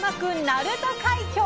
鳴門海峡！